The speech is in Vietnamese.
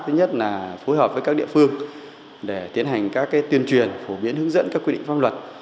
thứ nhất là phối hợp với các địa phương để tiến hành các tuyên truyền phổ biến hướng dẫn các quy định pháp luật